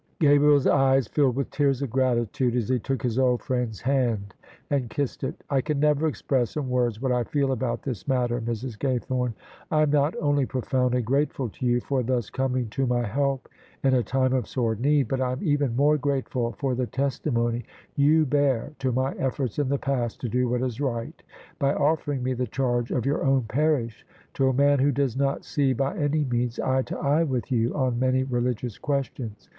Gabriel's eyes filled with tears of gratitude as he took his old friend's hand and kissed it. " I can never express in words what I feel about this matter, Mrs. Gaythome. I am not only profoundly grateful to you for thus coming to my help in a time of sore need, but I am even more grateful for the testimony you bear to my efforts in the past to do what is right, by offering me the charge of your own parish to a man who does not see by any means eye to eye with you on many religious questions.